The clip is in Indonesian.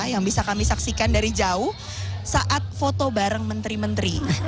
yang bisa kami saksikan dari jauh saat foto bareng menteri menteri